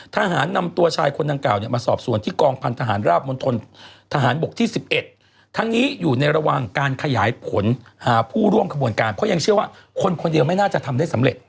ทหารนำตัวชายคนดังกล่าวมาสอบส่วนที่กองพันธหารราบมณฑลทหารบกที่๑๑ทั้งนี้อยู่ในระหว่างการขยายผลหาผู้ร่วมขบวนการเพราะยังเชื่อว่าคนคนเดียวไม่น่าจะทำได้สำเร็จ